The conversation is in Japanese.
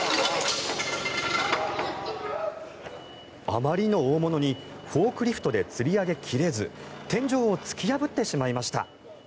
あまりの大物にフォークリフトでつり上げ切れず天井を突き破ってしまいました。